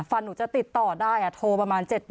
หนูจะติดต่อได้โทรประมาณ๗